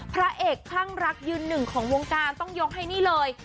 พระเอกคลั่งรักยืนหนึ่งของวงการต้องยกให้นี่เลย